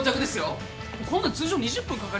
こんなん通常２０分かかりますよ。